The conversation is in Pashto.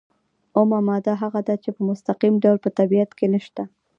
اومه ماده هغه ده چې په مستقیم ډول په طبیعت کې نشته.